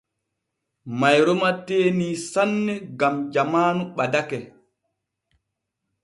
Mayroma teenii saane gam jamaanu ɓadake.